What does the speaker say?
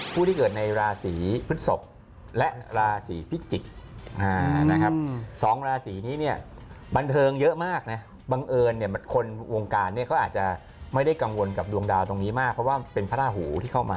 ผู้ที่เกิดในราศีพฤศพและราศีพิจิกษ์นะครับสองราศีนี้เนี่ยบันเทิงเยอะมากนะบังเอิญเนี่ยคนวงการเนี่ยเขาอาจจะไม่ได้กังวลกับดวงดาวตรงนี้มากเพราะว่าเป็นพระราหูที่เข้ามา